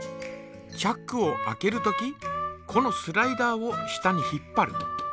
チャックを開けるときこのスライダーを下に引っぱる。